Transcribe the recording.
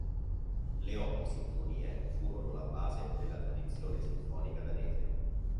Le otto sinfonie furono la base della tradizione sinfonica danese.